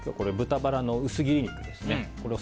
豚バラの薄切り肉ですね。